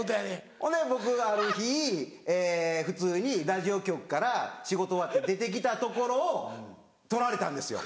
ほんで僕ある日普通にラジオ局から仕事終わって出て来たところを撮られたんですよ